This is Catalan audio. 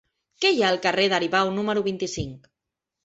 Què hi ha al carrer d'Aribau número vint-i-cinc?